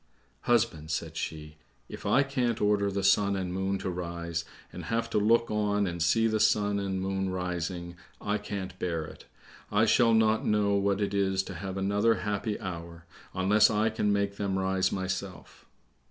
"Husband," said she, "if I can't order the sun and moon to rise, and have to look on and see the sun and moon rising, I can't bear it. I shall not know what it is to have another happy hour, unless I can make them rise myself."